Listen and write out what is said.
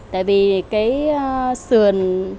tại vì cái sườn